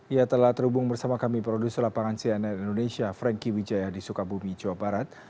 ya telah terhubung bersama kami produser lapangan cnn indonesia franky wijaya di sukabumi jawa barat